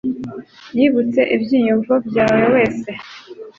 yibutse ibyiyumvo byawe wese